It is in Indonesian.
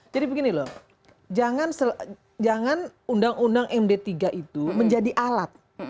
jadi begini loh jangan undang undang md tiga itu menjadi alat